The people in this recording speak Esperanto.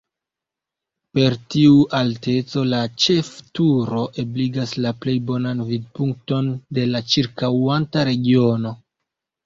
Per tiu alteco, la ĉefturo ebligas la plej bonan vidpunkton de la ĉirkaŭanta regiono.